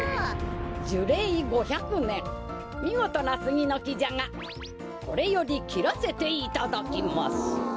じゅれい５００ねんみごとなスギのきじゃがこれよりきらせていただきます。